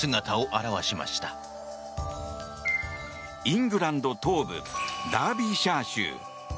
イングランド東部ダービーシャー州。